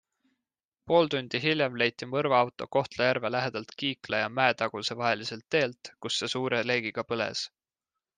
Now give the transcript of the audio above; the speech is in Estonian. Pool tundi hiljem leiti mõrvaauto Kohtla-Järve lähedalt Kiikla ja Mäetaguse vaheliselt teelt, kus see suure leegiga põles.